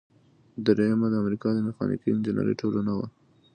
دریمه د امریکا د میخانیکي انجینری ټولنه وه.